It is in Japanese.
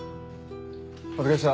お疲れっした。